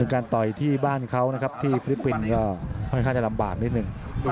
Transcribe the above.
การต่อยที่บ้านเขานะครับที่ฟิลิปปินส์ก็ค่อนข้างจะลำบากนิดหนึ่ง